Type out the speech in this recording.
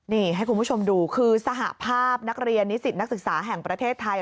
นี่ให้คุณผู้ชมดูคือสหภาพนักเรียนนิสิตนักศึกษาแห่งประเทศไทย